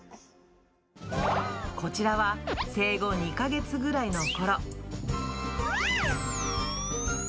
こちらは、生後２カ月ぐらいのころ。